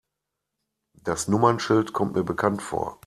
Das Nummernschild kommt mir bekannt vor.